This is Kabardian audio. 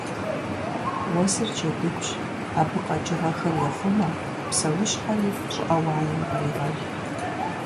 Уэсыр джэдыгущ: абы къэкӏыгъэхэр ехъумэ, псэущхьэри щӏыӏэ уаем кърегъэл.